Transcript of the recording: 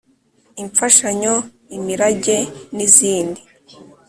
Imfashanyo imirage n izindi